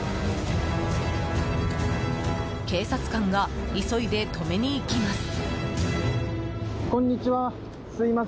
警察官が急いで止めに行きます。